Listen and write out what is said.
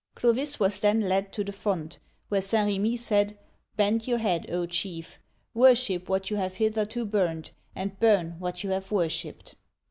Clovis was then led to the font, where St. R^mi said, " Bend your head, O chief. Worship what you have hith erto burned, and burn what you have worshiped.